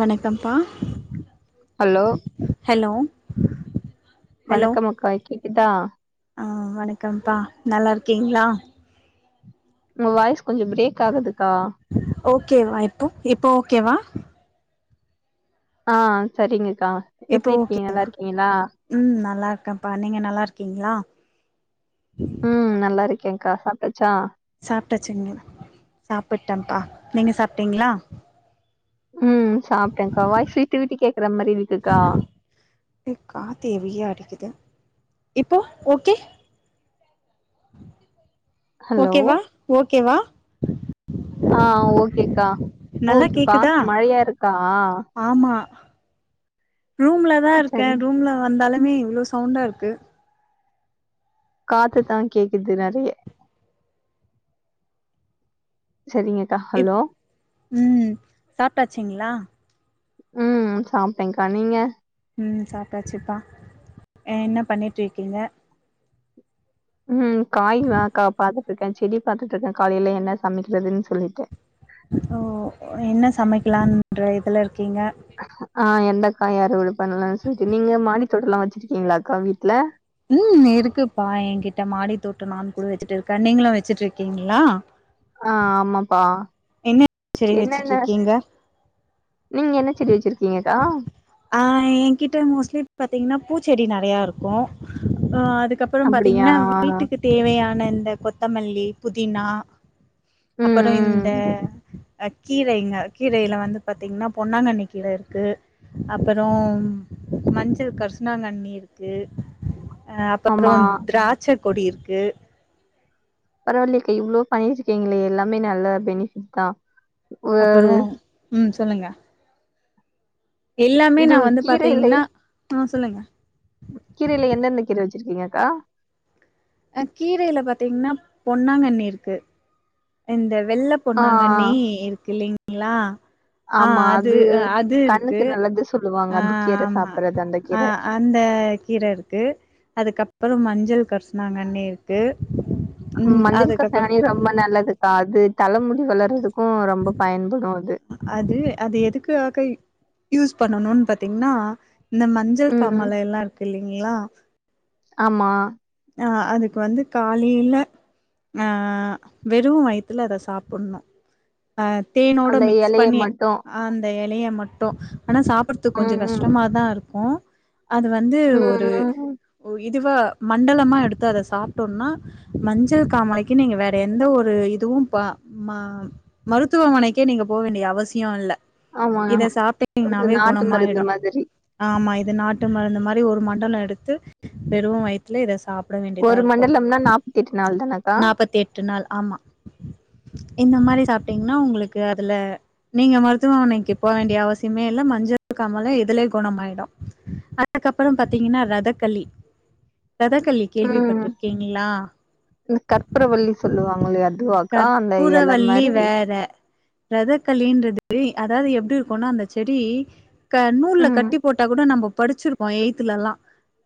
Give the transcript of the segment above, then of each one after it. வணக்கம்ப்பா hello hello hello வணக்கம் அக்கா கேக்குதா ஆ வணக்கம்ப்பா நல்லா இருக்கீங்களா உங்க வாய்ஸ் கொஞ்சோ பிரேக் ஆகுதுக்கா ஓகேவா இப்போ இப்ப ஓகேவா ஆ சரிங்கக்கா இப்ப எப்டி இருக்கீங்க ஓகேவா நல்லா இருக்கீங்களா ம் நல்லா இருக்கப்பா நீங்க நல்லா இருக்கீங்களா ம் நல்லா இருக்கேங்க்கா சாப்டாச்சா சாப்ட்டச்சுங்களா சாப்ட்டேப்பா நீங்க சாப்ட்டீங்களா ம் சாப்ட்டேங்கா வாய்ஸ் வீட்டு வீட்டு கேக்குற மாரி இருக்குக்கா ம் காத்து ஹெவியா அடிக்கிது இப்போ ஓகே ஹலோ ஓகேவா ஓகேவா ஆ ஓகேக்கா நல்லா ஓகே கேக்குதா மழையா இருக்கா ஆமா ரூம்ல தா இருக்கே சரி ரூம்ல வந்தாலுமே இவ்ளோ சவுண்டா இருக்கு காத்து தா கேக்குது நெறைய சேரிங்க ம் சாப்ட்டாச்சுங்ளா ம் சாப்ட்டேக்கா நீங்க ம் சாப்டாச்சுப்பா என்ன பண்ணீட்டுருக்கீங்க ம் காய்ங்களாக்கா பாத்துட்டுருக்கே செடி பாத்துட்டு இருக்கே காலையில என்ன சமைக்கிறதுன்னு சொல்லிட்டு ஓ என்ன சமைக்கலான்ற இதுல இருக்கீங்க ஆ எந்தக்காய் அறுவட பண்ணலான்னு சொல்லிட்டு நீங்க மாடித்தோட்டல்லா வச்சிருக்கீங்களா அக்கா வீட்ல ம் இருக்குப்பா எங்கிட்ட மாடி தோட்டோ நானு கூட வச்சுட்டு இருக்கே நீங்களு வச்சுட்டுருக்கீங்களா ஆ ஆமாப்பா என்ன செடி என்னன்ன வச்சுட்ருக்கீங்க நீங்க என்ன செடி வச்சிருக்கீங்கக்கா ஆ ஏங்கிட்ட மோஸ்ட்லி பாத்தீங்கன்னா பூச்செடி நறைய இருக்கு அ அதுக்கப் புறோ அப்டியா பாத்தீங்கன்னா வீட்டுக்கு தேவையான இந்த கொத்தமல்லி புதினா ம் அப்புறோ இந்த ம் அ கீரைங்க கீரையில வந்து பாத்தீங்கன்னா பொன்னாங்கண்ணி கீரருக்கு அப்புறோ மஞ்சள் கரிசலாங்கண்ணியிருக்கு அ அப்புறோ ஆமா திராட்சை கொடி இருக்கு பரவல்லிக்ளே இவ்ளோ பண்ணியிருக்கீங்களே எல்லாமே நல்ல பெனிஃபிட் தா அ அப்புறோ ம் சொல்லுங்க எல்லாமே இது நா வந்து கீரையில பாத்தீங்கன்னா சொல்லுங்க கீரையில எந்தெந்த கீர வச்சிருக்கீங்கக்கா அ கீரையில பாத்தீங்கன்னா பொன்னாங்கண்ணி இருக்கு இந்த வெள்ள ஆ பொன்னாங்கண்ணி இருக்கு இல்லைங்ளா ஆ அது அது இருக்கு கண்ணுக்கு நல்லது சொல்லுவாங்க ஆ அது கீர ஆமா சாப்பிடுறது அந்த கீர ஆ இந்த கீர இருக்கு அதுக்கப்பறம் மஞ்சள் கரிசலாங்கண்ணி இருக்கு ம் மஞ்சள் அதுக்கப்பறோ கரிசலாங்கண்ணி ரொம்ப நல்லதுக்கா அது தலைமுடி வளர்றதுக்கு ரொம்ப பயன்படு அது அது அது எதுக்காக யூஸ் பண்ணணுனு பாத்தீங்னா இந்த ம ஞ்சள் ம் காமாலை எல்லா இருக்கு இல்லைங்ளா ஆமா ஆ அதுக்கு வந்து காலைல அ வெறு வயித்துல அத சாப்பணு அ தேனோட அந்த மிக்ஸ் இலைய பண்ணி மட்டும். அந்த இலைய மட்டு ஆனா சாப்டறதுக்கு கொஞ்சோ ம், ம், கஷ்டமாதா இருக்கு அது வந்து ம், ஒரு ம். ம். இதுவா மண்டலமா எடுத்து அத சாப்ட்டோனா மஞ்சள் காமாலைக்கு நீங்க வேற எந்த ஒரு இதுவும் பா ம மருத்துவமனைக்கே நீங்க போ வேண்டிய அவசியோ இல்ல ஆமாங்க. இத அது சாப்ட்டீங்கன்னாவே நாட்டு மருந்து குணமாயிடு மாதிரி. ஆமா இது நாட்டு மருந்து மாரி ஒரு மண்டலோ எடுத்து வெரு வயி த்துல இத சாப்ட வேண்டிதா ஒரு இருக்கு மண்டலம்னா நாள் தானக்கா? நாப்பத்தி எட்டு நாள் ஆமா இந்த மாரி சாப்ட்டீங்னா உங்களுக்கு அதுல நீங்க மருத்துவமனைக்கு போ வேண்டிய அவசியமே இல்ல மஞ்சள் காமாலை இதுலயே குணமாயிடு அதுக்கப்பறம் பாத்தீங்னா ரதக்களி ரதக்களி ம். கேள்விப்பட்டிருக்கீங்ளா இந்த கற்பூரவல்லி சொல்லுவாங்கில்லயா அதுவாக்கா அந்த எல மாரி ரதக்கலின்றது அதாவது எப்டி இருக்குனா அந்த செடி நூல்ல ம். கட்டி போட்டா கூட நம்ம படிச்சிருக்கோ எயத்லல்லா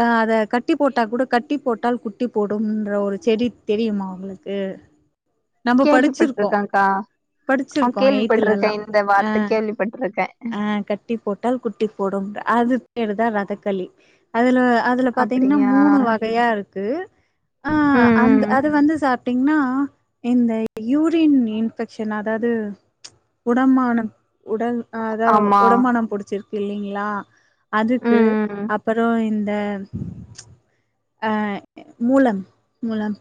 அ அத கட்டி போட்டா கூட கட்டி போட்டால் குட்டி போடும்ன்ற ஒரு செடி தெரியுமா உங்களுக்கு நம்ம படிச்சிருக்கோ கேள்விப்பட்டுருக்கேன்க்கா. ஆ படிச்சிருக்கோ எய்த்ல எல்லா கேள்விப்பட்டுருக்கேன். இந்த அ வார்த்தை கேள்விப்பட்டுருக்கேன். கட்டி போட்டால் குட்டி போடும் அது பேர்தா ரதக்களி அதுல அதுல பாத் தீங்னா அப்படியா? மூணு வகையா இருக்கு ஆ ம், அந்த ம். அது வந்து சாப்ட்டீங்னா இந்த யூரின் இன்ஃபெக்ஷன் அதாவது உடமான உடல் அதா ஆமா. உடமானோ புடிச்சிருக்கு இல்லைங்ளா அதுக்கு ம், ம். அப்றோ இந்த அ மூலம் மூலம்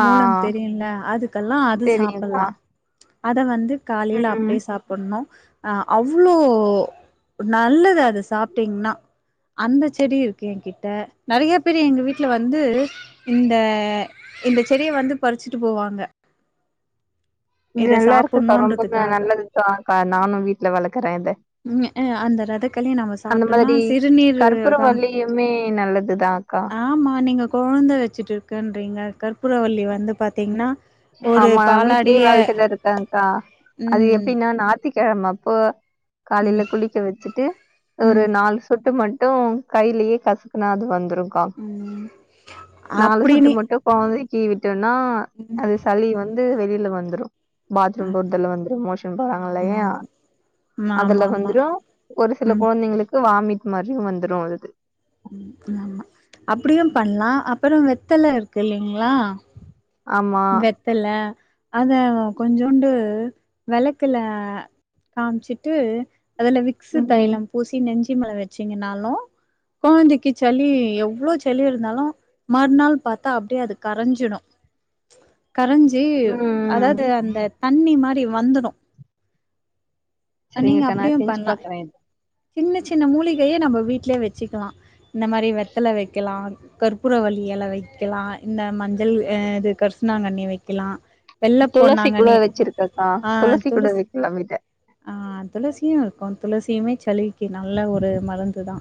ஆ. மூலம் தெரியுல்ல அதுக்கல்லா அது தெரியும்க்கா. சாப்பல்லா அத வந்து காலைல வந்து ம். அப்டியே சா ப்பண்ணு அ அவ்ளோ நல்லது அது சாப்ட்டீங்னா அந்த செடி இருக்கு என் கிட்ட நெறையா பேர் எங்க வீட்ல வந்து இந்த இந்த செடிய வந்து பறிச்சிட்டு போவாங்க இத நல்லாருக்குக்கா ரொம்பமே சாப்புட்ணுன்றதுக்காக நல்லதுக்கா நானு வீட்ல வளக்குற இத ம்ஹூ அந்த ரதக்களி நம்ம அந்த சாப்ட்டனா மாதிரி சிறுநீரகம் கற்பூரவள்ளியுமே நல்லதுதான்க்கா ஆமா நீங்க கொழந்த வெச்சிட்டு இருக்கன்றீங்க கற்பூரவல்லி வந்து பாத்தீங்னா ஆமா வீட்லயே வளத்துட்டு இருக்கங்க்கா அது ம் எப்டினா ஞாய்த்துக்கெழம அப்போ காலைல ம் குளிக்க வெச்சுட்டு ஒரு ம் நாலு சொட்டு மட்டு கைலயே கசுக்குனா அது வந்துரும் கா ம் நாலு சொட்டு அப்டின்னு மட்டு கொழந்தைக்கு விட்டனா ம் இந்த சளி வந்து வெளில வந்துரு பாத்ரூம் போறதுல வந்துரு மோஷன் ஆமா போறாங்கில்லயா ஆமா ஆமா அதுல ஆமா வந்துரு ஒரு சில ம் கொழந்தைங்களுக்கு வாமிட் மாரியு வந்துரு அது ம் ஆமா அப்டியு பண்லா அப்பறோ வெத்தலருக்கு இல்லிங்ளா ஆமா த்தல்ல அத கொஞ்சோன்டு வெளக்குல காம்ச்சிட்டு அதுல விக்ஸு ம் ம் தைலம் பூசி நெஞ்சு மேல வச்சீங்கனாலு கொழந்தைக்கி சளி எவ்ளோ சளி இருந்தாலு மற்நாள் பாத்தா அப்டியே அது கரஞ்சிடு கரஞ்சி ம் அதாவ்து அந்த தண்ணி மாரி வந்துடு அ நீங்க சரிங்கக்கா நா அப்டியு செஞ்சு பண்லா பாக்குறே சின்ன சின்ன மூலிகய நம்ப வீட்லயே வச்சுக்கலா இந்த மாரி வெத்தல வெக்கலா கற்பூர வள்ளி எல வெக்கலா இந்த மஞ்சள் அ இது கர்ஸ்னாங்கண்ணி வெக்கலா துளசி கூட வச்சிருக்கெக்கா துளசி கூட வெக்லா வீட்ல ஆ துளசியு இருக்கு துளசியுமே சளிக்கி நல்ல ஒரு மருந்து தா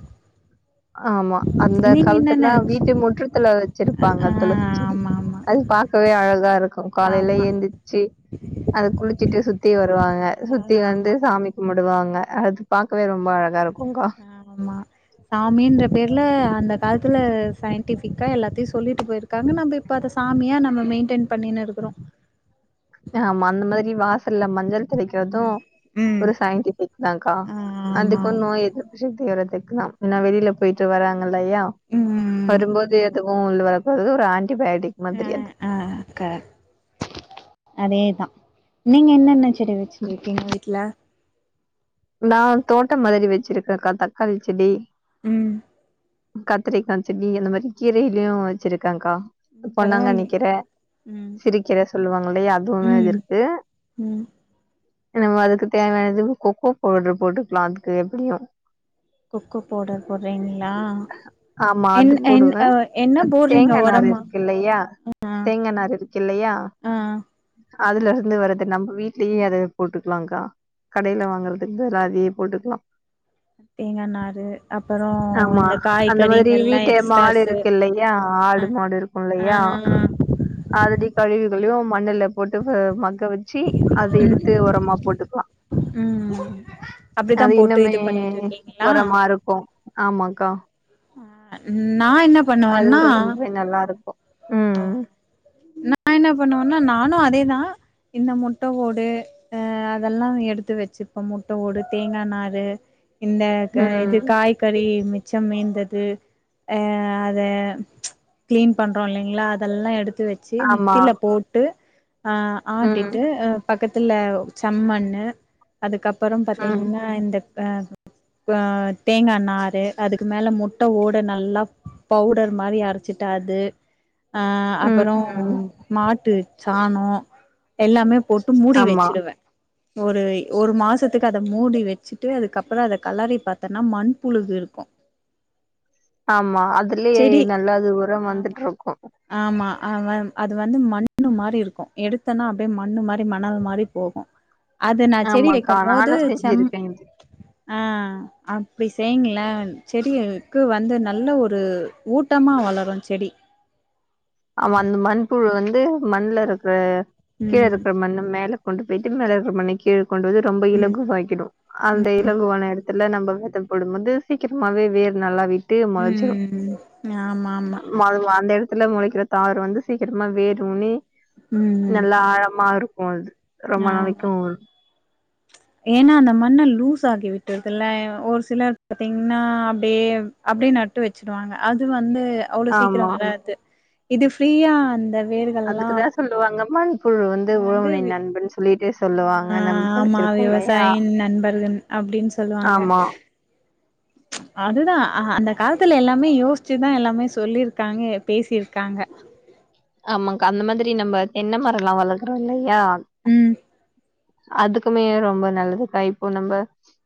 ஆமா அந்த நீங்க என்னென்ன காலத்துலா வச்சு வீட்டு முற்றத்துல வச்சிருப்பாங்க ஆ துளசி செடி ஆமா ஆமா அது பாக்கவே அழகாருக்கு காலைல ஆமா எந்திர்ச்சி அத குளிச்சுட்டு சுத்தி வருவாங்க சுத்தி வந்து ஆமா சாமி கும்முடுவாங்க அது பாக்கவே ரொம்ப அழகாருக்குக்கா ஆமா சாமின்ற பேர்ல அந்த காலத்துல சயின்டிஃபிக்கா எல்லாத்தையு சொல்லிட்டு போய்ரு காங்க நம்ப இப்ப அத சாமியா நம்ம மெயின்டெய்ன் பண்ணின்னுருக்குறோ ஆமா அந்த மாரி வாசல்ல மஞ்சள் தெளிக்கற்து ம் ம். ஒரு சயின்டிஃபிக் தான்கா ஆ ஆமா அதுக்கு நோய் எதிர்ப்பு சக்தி இருத்துக்குதாம் ஏனா வெளில போய்ட்டு வராங்கல்லயா ம் வரும்போது எதுவு உள்ள வரக்கூடாது ஒரு ஆன்டிபயோட்டிக் ஆ மாத்ரி அது ஆ கரெக்ட் அதேதா நீங்க என்னென்ன செடி வச்சுட்ருக்கீங்க வீட்ல நா தோட்டோ மாதிரி வச்சிருக்கேக்கா தக்காளி செடி ம் கத்திரிக்கா செடி அந்த மாரி கீரைலயு வச்சிருக்கேன்க்கா பொன்னாங்கண்ணி பரவாயில்லையே கீர ம் சிறுக்கீர சொல்லுவாங்கல்லயா அதுவுமே ம் இருக்கு ம் நம்ம அதுக்கு தேவயானது கொக்கோ பவுட்ரு போட்டுக்லா அதுக்கு எப்டியு கொக்கோ பவுடர் போட்றீங்களா ஆமா என் அது என் ஆ என்ன போட்றீங்க ஒரமா இல்லயா ஆ தேங்கா நார் இருக்கு இல்லயா ஆ அதுலருந்து வர்றது நம்ப வீட்லயே அது போட்டுக்லாகா கடைல வாங்ற க் பதிலா அதயே போட்டுக்லா தேங்கா நாரு அப்பறோ இந்த காய்கறிங்கள்லா எக்ஸ் ஆடுருக்கில்லயா ஆடு மாடு இருக்கு ஆ இல்லயா அதடி கழிவுகளையு மண்ணுல போட்டு மக்க வச்சி அத எடுத்து ஒரமா போட்டுக்லா ம் ம் அப்டிதா அது போட்டு இன்னுமே இது பண்ணிட்டு இருக்கீங்களா ஒரமாருக்கு ஆமாக்கா ஆ நா என்ன பண்ணுவன்னா நல்லாருக்கு ஆ நா என்ன பண்ணுவன்னா நானு அதேதா இந்த முட்ட ஓடு ஆ அதெல்லா எடுத்து வச்சுப்பே முட்ட ஓடு தேங்கா நாரு இந்த க ம் இது காய்கறி மிச்சம் மீந்தது அ அத கிளீன் பண்றோ இல்லைங்ளா அதெல்லா எடுத்து வெச் சி ஆமா மிக்ஸிலப் போட்டு அ ம் ஆத்திட்டு அப் பக்கத்துல செம்மண்ணு அதுக்கப்பறம் ம் பாத்தீங்கனா இந்தக் அ ஆ தேங்கா நாறு அதுக்கு மேல முட்ட ஓட நல்லாப் பவுடர் மாரி அரச்சிட்டா அது அ ம் அப்பறோ ம் ஆட்டுச் சாணோ எல்லாமே போட்டு மூடி ஆமா வெச்சிடுவே ஒரு ஒரு மாசத்துக்கு அத மூடி வெச்சிட்டு அதுக்கப்பறோ அத கலறிப் பாத்தனா மண்புழுகு இருக்கு ஆமா அதுலியே செடி நல்லது உரம் ஆமா வந்துட்ருக்கு ஆமா அனந் அது வந்து மண்ணு மாரி இருக்கு எடுத்தனா அப்டே மண்ணு மாரி மணல் மாரிப் போகு அது நா செடி ஆமாக்கா வெக்கும் போது நானு செம் செஞ்சிருக்கே இது ஆ அப்டி செய்ங்ளே செடிகளுக்கு வந்து நல்ல ஒரு ஊட்டமா வளரு செடி ஆமா அந்த மண்புழு வந்து மண்ல இருக்ற கீழ ம் இருக்ற மண்ணு மேலப் கொண்டு போயிட்டு மேல இருக்ற மண்ணை கீழ கொண்டு வது ரொம்ப ம் இலகுவாகிடு அந்த இலங்குவான எடத்துல நம்ப வேதம் போடும்போது சீக்கிரமாவே வேறு நல்லாவிட் ட்டு மொளச்சிரு ம் ஆமா ஆமா மவ் அந்த எடத்துல மொளைக் சிரத்தாரு வந்து சீக்கிரமா வேறு ஊனி நல்லா ஆழமா இருக்கு அது ரொம்ப நாமா நாளைக்கு எனா அந்த மண்ண லூஸ் ஆக்கி விட்டுறுதுல்ல இவ் ஒரு சிலர் பாத்தீங்னா அப்டேவ் அப்டியே நட்டு வெச்சிருவாங்க அது வந்து அவ்ளோ சீக்ரோ ஆமா வராது இது ஃப்ரீயா அந்தவ் அதுக்குதா சொல்லுவாங்க மண் புழு வந்து உழவனின் நண்பன் சொல்லிட்டு சொல்லுவாங்க ஆ நம்ம படிச்சிருக்கோ இல்லையா அப்டின் சொல்வாங்க ஆமா [inaudible] அதுதா அ அந்த காலத்துல எல்லாமே யோச்சிதா எல்லாமே சொல்லிருக்காங்க பேசிருக்காங்க ஆமாங்க்கா அந்த மாதிரி நம்ம தென்ன மரோலா வளர்க்றோ இல்லையா ம் அதுக்குமே ரொம்ப நல்லதுக்கா இப்போ நம்ப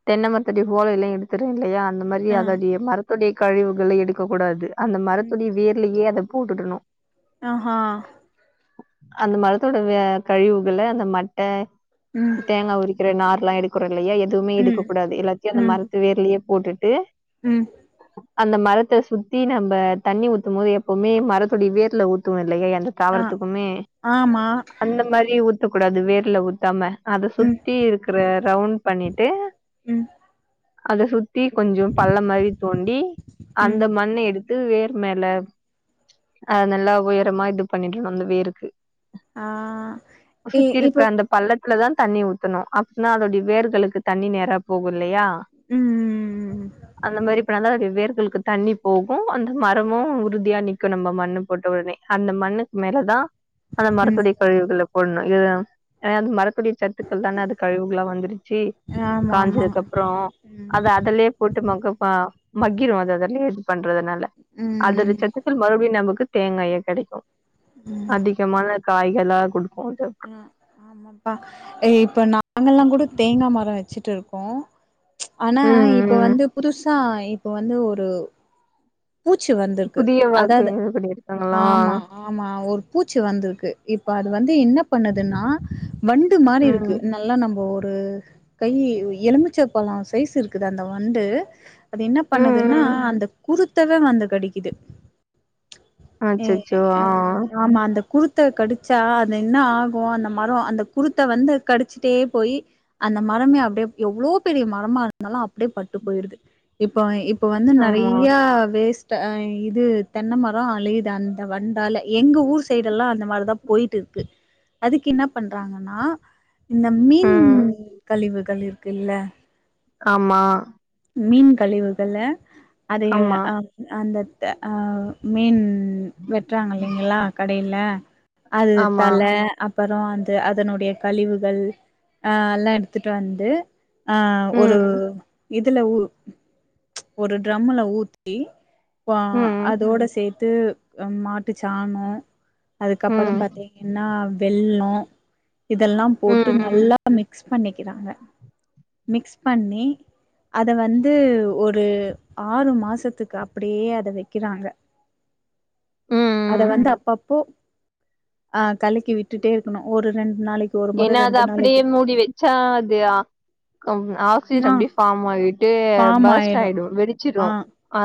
தென்ன மரத்தடி போல எழ எடுத்திரு இல்லையா அந்த மாரி ஆ அதோடைய மரத்துடைய கழிவுகள எடுக்ககூடாது அந்த ம் மரத்துடைய வேர்லியே அதப் போட்டுடணு ஆ ஆ அந்த மரத்தோடவே கழிவுகள அந்த மட்ட ம் தேங்கா உரிக் கிற நார்லா எடுக்கறோ இல்லையா எதுவுமே எடுக்க ம் கூடாது எல்லாத்தியு அந்த ம் மரத்த வேர்லியே போட்டுட்டு ம் அந்த மரத்த சுத்தி நம்ப தண்ணி ஊத்தும் போது எப்பவுமே மரத்துடைய வேர்ல ஊத் துவோ இல்லையா எந்த ஆ தாவரத்துக்குமே ஆமா அந்த மாரி ஊத்தக்கூடாது வேர்ல ஊத்தாம அத ம் சுத்தி இருக்ற ரவுண்ட் பண்ணிட்டு ம் அத சுத் தீ கொஞ்சோ பள்ளோ மாரி தோண்டி ம் அந்த மண்ண எடுத் து வேர் மேல அ நல்லா உயரமா இது பண்ணிடணு அந்த வேருக்கு ஆ இ சுத்தி இருக்ற இப்போ அந்தப் பள்ளத்லதா தண்ணி ஊத்தணு அப்னா அதோடைய வேர்களுக்கு தண்ணி நேராப் போகு இல்லையா ம் அந்த மாரி பணாலா அது வேர்களுக்குத் தண்ணிப் போகு அந்த மரமு உறுதியா நிக்கு நம்ம மண்ணு போட்ட ஒடனே அந்த மண்ணுக்கு மேலதா அந்த ம் மரத்துடையக் கழிவுகளப் போண்ணு இது எம் மரத்துடைய சத்துக்கள் தானே அது கழிவுகளா வந்துருச்சி ஆமா ஆமா காஞ்சதுக்கப்றோ ம் அத அதுலயே போட்டு மக்கப்ப மக்கிரு அது அதில்லய இது பண்றதுனால ம் அதோடச் சத்து த்துக்கள் மறுபடியு நமக்கு தேங்காயா கெடைக்கு ம் அதிகமான காய்களா குடுக்கு அது அ ஆமாப்பா இப்ப நாங்கல்லா கூட தேங்கா மரோ வச்சிட்டு இருக்கோ ஆனா ம் இப்ப ம் வந்து புதுசா இப்ப வந்து ஒரு பூச்சி வந்துருக்கு புதிய வாக்கு அதாது இது பண்ணிருக்காங்களா ஆமா ஆமா ஒரு பூச்சி வந்துருக்கு இப்ப அது வந்து என்ன பண்ணதுன்னா வண் டு மாரி இருக்கு ம் ந நல்லா நம்ப ஒரு கை எலுமிச்ச பழோ சைஸ் இருக்குது அந்த வண்டு அது என்ன பண்ணுதுன்னா ம் அந்த குருத்தவே வந்து கடிக்குது அ அச்சச்சோ ஆ அ ஆமா அந்த குருத் குருத்த கடிச்சா அது என்ன ஆகு அந்த மரோ அந்த குருத்த வந்து கடிச்சுட்டே போயி அந்த மரமே அப்டியே எவ்ளோ பெரிய மரமா இருந்தாலு அப்டியே பட்டு பொய்ருது இப்போ இப் இப்ப வந்து ஆமா நெறைய்யா வேஸ்ட் ஆ இது தென்ன மரோ அழியுது அந்த வண்டாலே எங்க ஊர் சைட்டெல்லா அந்த மாரிதா பொய்ட்டிருக்கு அதுக்கு என்ன பண்றாங்கன்னா இந்த மீன் ம் கழிவுகள் இருக்குல்ல ஆமா மீன் கழிவுகள அத ஆமா அ அந்த அ மீன் வெட்றாங்க இல்லிங்களா கடையில அது ஆமா தல அப் அப்றோ வந்து அதனுடைய கழிவுகள் அ அதல்லா எடுத்துட்டு வந்து அ ஒரு ம் இதுல ஊ ஒரு ட்ரம்ல ஊத்தி இப்ப ம் அதோட சேத் த்து அம் மாட்டு சாணொ அதுக்கப்றோ ம் ம் பாத்திங்கன்னா வெல்லோ இதெல்லா போட்டு ம் நல்லா மிக்ஸ் பண்ணிக்கிறாங்க மிக்ஸ் பண்ணி அத வந்து ஒரு ஆறு மாசத்துக்கு அப்பிடியே அத வக்கிறாங்க அத ம் வந்து அப்பப்போ அ கலக்கி விட்டுட்டே இருக்கணு ஒரு ரெண்டு நாளைக் ஏன்னா அது அப்பிடியே மூடி வச்சா அது அ கம் சிட் ஆ அப்பிடியே ஃபார்ம் ஆகிட்டு பேர்ஸ்ட் ஆயிடு வெடிச்சிரு ஆ அ